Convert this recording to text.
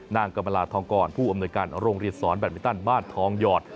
นางกรรมลาทองกรผู้อำนวยการโรงเรียนสอนแบตมินตันบ้านทองหยอด